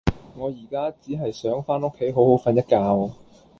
我依家只係想返屋企好好訓一覺